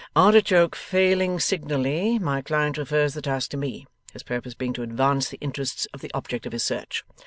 Artichoke failing signally, my client refers the task to me: his purpose being to advance the interests of the object of his search.